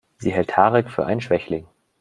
Sie hält Tarek für einen Schwächling.